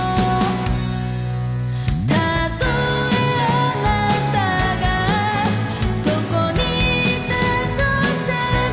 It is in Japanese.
「たとえあなたがどこにいたとしても」